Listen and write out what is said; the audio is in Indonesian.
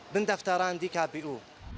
pendaftaran di kpu